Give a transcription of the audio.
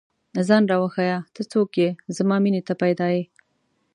ځان راوښیه، ته څوک ئې؟ زما مینې ته پيدا ې